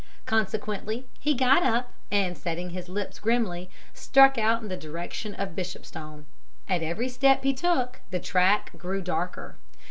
Consequently, he got up, and setting his lips grimly, struck out in the direction of Bishopstone. At every step he took the track grew darker.